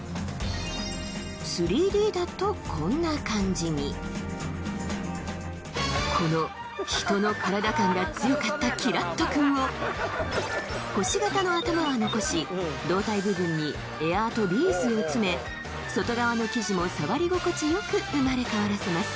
３Ｄだとこんな感じにこの人のカラダ感が強かったきらっと君を星形の頭は残し胴体部分にエアーとビーズを詰め外側の生地も触り心地よく生まれ変わらせます